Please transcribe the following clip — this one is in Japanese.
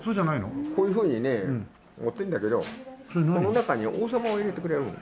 こういうふうにね持ってるんだけどこの中に王様を入れてこれやるの。